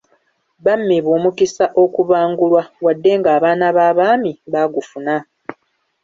Bammibwa omukisa okubangulwa wadde ng'abaana b'abaami baagufuna.